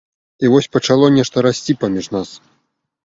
І вось пачало нешта расці паміж нас.